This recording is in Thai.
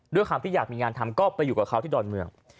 ด้วยความที่อยากมีงานทำก็ไปอยู่กับเขาที่ดอนเมือง